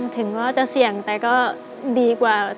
ถึงว่าจะเสี่ยงแต่ก็ดีกว่า